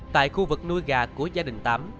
tại khu vực nuôi gà của gia đình tám